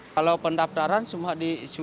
kalau pendaftaran semua disyukur